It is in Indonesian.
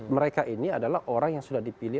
mereka ini adalah orang yang sudah dipilih